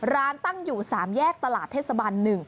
ร้านตั้งอยู่๓แยกตลาดเทศบัน๑